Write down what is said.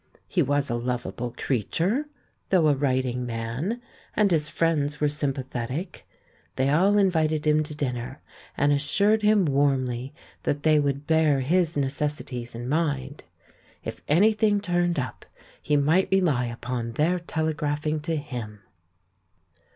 He was a lovable creature, though a writing man, and his friends were sym pathetic. They all invited him to dinner, and assured him warmly that they would bear his ne cessities in mind. If anything turned up, he might rely upon their telegraphing to him.